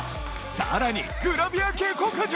さらにグラビア下剋上！